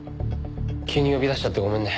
急に呼び出しちゃってごめんね。